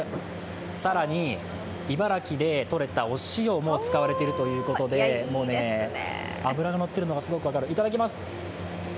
更に、茨城でとれたお塩も使われているということで、もう脂が乗っているのがすごく分かる、いただきます。